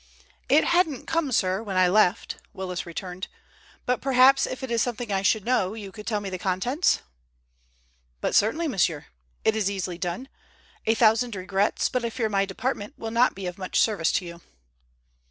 "It hadn't come, sir, when I left," Willis returned. "But perhaps if it is something I should know, you could tell me the contents?" "But certainly, monsieur. It is easily done. A thousand regrets, but I fear my department will not be of much service to you."